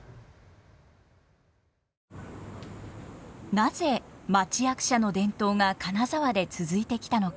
なぜ町役者の伝統が金沢で続いてきたのか。